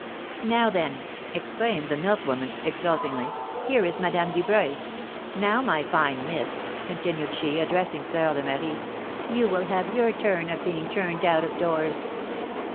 "Now, then," exclaimed the milk woman, exultingly, "here is Madame Dubreuil. Now, my fine miss," continued she, addressing Fleur de Marie, "you will have your turn of being turned out of doors!"